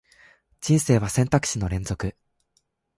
人生は選択肢の連続